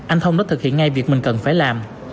anh thông đã thực hiện ngay việc mình cần phải làm